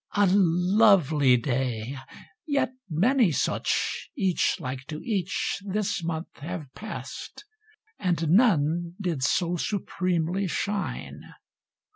A lovely day! Yet many such, Each like to each, this month have passed, And none did so supremely shine.